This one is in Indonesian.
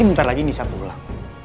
ini bentar lagi bisa pulang